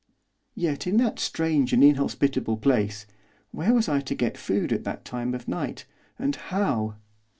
Yet, in that strange and inhospitable place, where was I to get food at that time of night, and how?